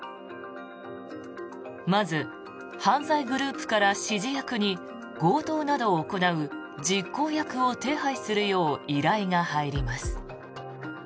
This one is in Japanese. まず、犯罪グループから指示役に強盗などを行う実行役を手配するよう依頼が入ります。